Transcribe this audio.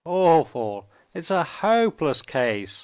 "Awful! It's a hopeless case!"